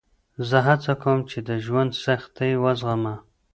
زه هڅه کوم چې د ژوند سختۍ وزغمه.